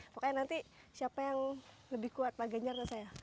makanya nanti siapa yang lebih kuat pak ganjar atau saya